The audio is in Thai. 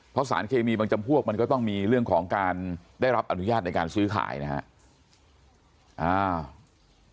เพราะสารเคมีบางจำพวกมันก็ต้องมีเรื่องของการได้รับอนุญาตในการซื้อขายนะครับ